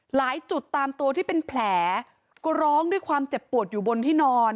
หลายจุดตามตัวที่เป็นแผลก็ร้องด้วยความเจ็บปวดอยู่บนที่นอน